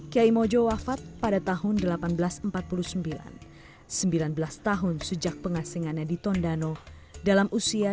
kiai mojo wafat pada tahun seribu delapan ratus empat puluh sembilan sembilan belas tahun sejak pengasingannya di tondano dalam usia